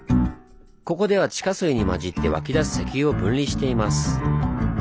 ここでは地下水に混じって湧き出す石油を分離しています。